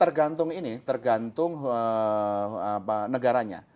tergantung ini tergantung negaranya